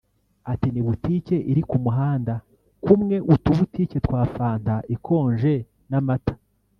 ati “Ni butike iri ku muhanda kumwe utubutike twa fanta ikonje n’amata